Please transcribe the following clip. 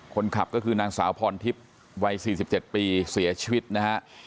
คนขับก็คือนางสาวพรทิพย์วัย๔๗ปีเสียชีวิตนะฮะ